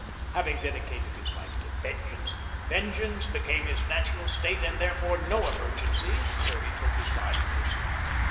Having dedicated his life to vengeance, vengeance became his natural state and, therefore, no emergency, so he took his time in pursuit.